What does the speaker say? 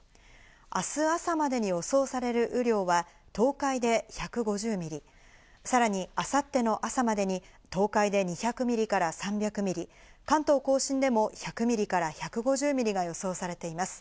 明日朝までに予想される雨量は東海で１５０ミリ、さらに明後日の朝までに東海で２００ミリから３００ミリ、関東甲信でも１００ミリから１５０ミリが予想されています。